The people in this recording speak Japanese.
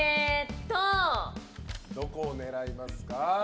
どこを狙いますか？